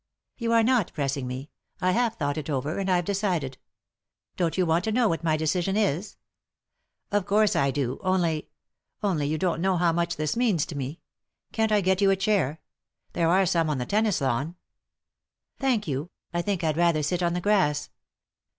" You are not pressing me ; I have thought it over, and I've decided. Don't you want to know what my decision is ?" "Of course I do, only — only you don't know how much this means to me. Can't I get you a chair ? There are some on the tennis lawn." "Thank you; I think I'd rather sit on the grass.